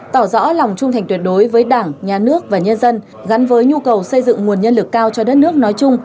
tỏ rõ lòng trung thành tuyệt đối với đảng nhà nước và nhân dân gắn với nhu cầu xây dựng nguồn nhân lực cao cho đất nước nói chung